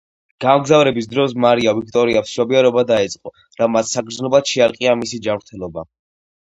გამგზავრების დროს მარია ვიქტორიას მშობიარობა დაეწყო, რამაც საგრძნობლად შეარყია მისი ჯანმრთელობა.